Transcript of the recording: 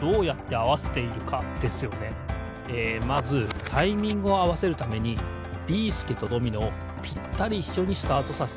まずタイミングをあわせるためにビーすけとドミノをぴったりいっしょにスタートさせたいんです。